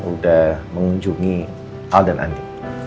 udah mengunjungi al dan andi